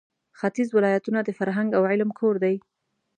ختیځ ولایتونه د فرهنګ او علم کور دی.